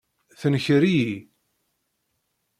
Tenker-iyi.